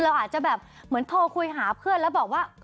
อาจจะแบบเหมือนโทรคุยหาเพื่อนแล้วบอกว่า